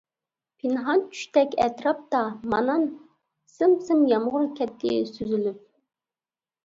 پىنھان چۈشتەك ئەتراپتا مانان، سىم-سىم يامغۇر كەتتى سۈزۈلۈپ.